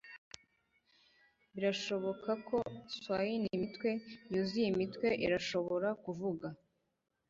Birashoboka ko swain-imitwe yuzuye imitwe irashobora kuvuga,